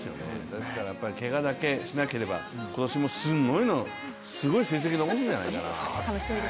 ですからやっぱりけがさえしなければ、今年もすごい成績残すんじゃないかな？